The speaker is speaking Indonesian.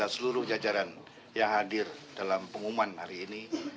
seluruh jajaran yang hadir dalam pengumuman hari ini